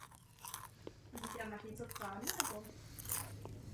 Podle archeologických vykopávek bylo místo osídleno již v době bronzové.